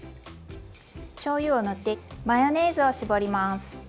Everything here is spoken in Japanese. しょうゆを塗ってマヨネーズを絞ります。